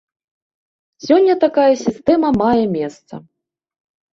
Сёння такая сістэма мае месца.